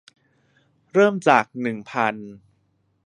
เริ่มจาก หนึ่งพัน